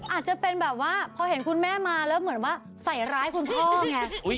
อาจจะเป็นแบบว่าเมื่อเห็นคุณแม่มาแล้วผิดคุณพ่อ